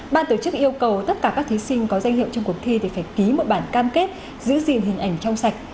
ban tổ chức yêu cầu tất cả các thí sinh có danh hiệu trong cuộc thi thì phải ký một bản cam kết giữ gìn hình ảnh trong sạch